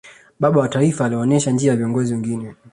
baba wa taifa aliwaonesha njia viongozi wengine